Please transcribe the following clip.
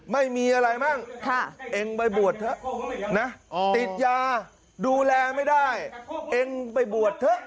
ไม่มีอะไรมั่งเองไปบวชเถอะนะติดยาดูแลไม่ได้เองไปบวชเถอะ